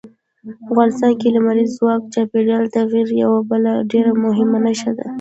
افغانستان کې لمریز ځواک د چاپېریال د تغیر یوه بله ډېره مهمه نښه ده.